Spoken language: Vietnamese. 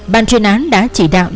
bàn chuyên án đã chỉ đạo